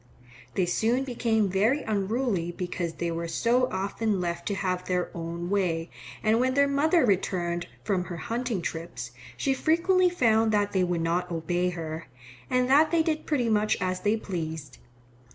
They soon became very unruly because they were so often left to have their own way, and when their mother returned from her hunting trips she frequently found that they would not obey her, and that they did pretty much as they pleased.